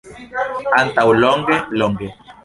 Antaŭ longe, longe.